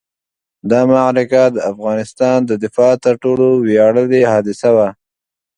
دا معرکه د افغانستان د دفاع تر ټولو ویاړلې حادثه وه.